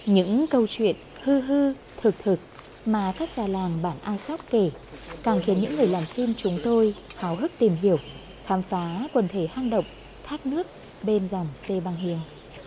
những câu chuyện hư hư thực thực mà các gia làng bản a sóc kể càng khiến những người làm phim chúng tôi hào hức tìm hiểu khám phá quần thể hang động thát nước bên dòng sê băng hiền